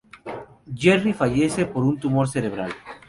Gerry fallece por un tumor cerebral.